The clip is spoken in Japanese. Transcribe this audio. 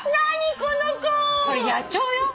これ野鳥よ。